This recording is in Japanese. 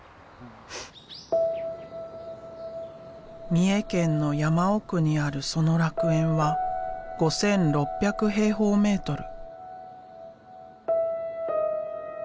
三重県の山奥にあるその楽園は５，６００平方メートル。